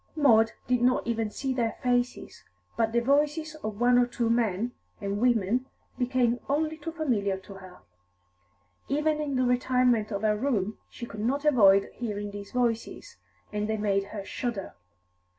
Maud did not even see their faces, but the voices of one or two men and women became only too familiar to her; even in the retirement of her room she could not avoid hearing these voices, and they made her shudder.